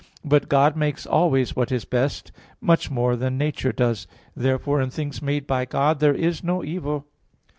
But God makes always what is best, much more than nature does. Therefore in things made by God there is no evil.